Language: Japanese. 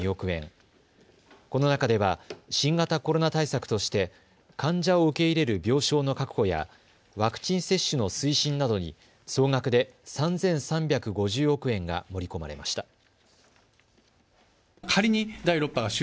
この中では新型コロナ対策として患者を受け入れる病床の確保やワクチン接種の推進などに総額で３３５０億円が盛り込まれました。